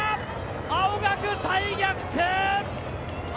青学、再逆転！